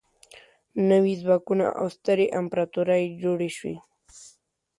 نوي ځواکونه او سترې امپراطورۍ جوړې شوې.